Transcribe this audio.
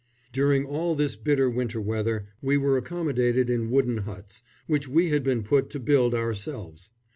During all this bitter winter weather we were accommodated in wooden huts, which we had been put to build ourselves.